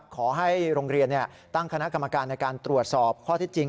ขอให้โรงเรียนตั้งคณะกรรมการในการตรวจสอบข้อที่จริง